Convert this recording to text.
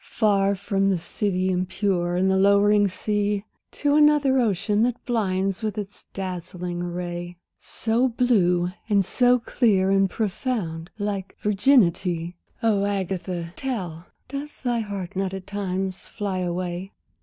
Far from the city impure and the lowering sea, To another ocean that blinds with its dazzling array, So blue and so clear and profound, like virginity? Oh, Agatha, tell! does thy heart not at times fly away?